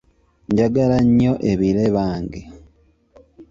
Njagala nnyo ebire bange!